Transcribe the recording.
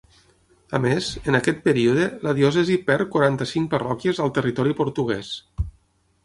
A més, en aquest període la diòcesi perd quaranta-cinc parròquies al territori portuguès.